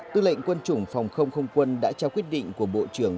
tư lệnh quân chủng phòng không không quân đã trao quyết định của bộ trưởng